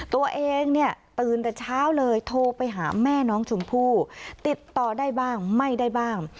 ตัวเองเนี่ยตื่นแต่เช้าเลยโทรไปหาแม่น้องชมพู่ติดต่อได้บ้างไม่ได้บ้าง